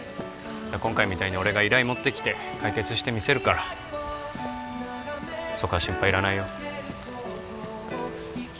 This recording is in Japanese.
今回みたいに俺が依頼持ってきて解決してみせるからそこは心配いらないよ